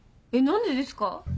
えっ何でですか？